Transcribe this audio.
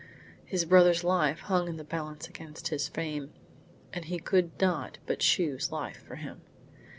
His brother's life hung in the balance against his fame, and he could not but choose life for him.